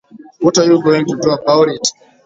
What are you going to do about it?